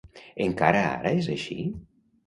Encara ara és així?